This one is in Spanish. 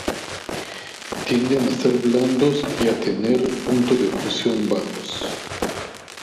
Tienden a ser blandos y a tener puntos de fusión bajos.